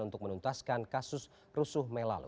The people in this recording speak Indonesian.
untuk menuntaskan kasus rusuh mei lalu